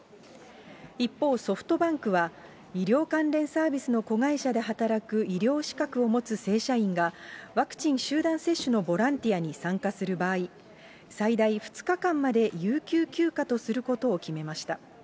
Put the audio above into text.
一方、ソフトバンクは医療関連サービスの子会社で働く医療資格を持つ正社員がワクチン集団接種のボランティアに参加する場合、最大２日間まで有給休暇とすることを決めました。